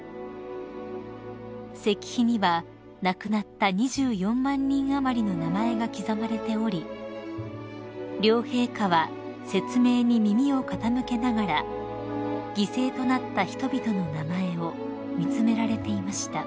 ［石碑には亡くなった２４万人余りの名前が刻まれており両陛下は説明に耳を傾けながら犠牲となった人々の名前を見詰められていました］